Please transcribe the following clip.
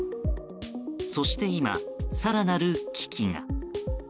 そして今、更なる危機が。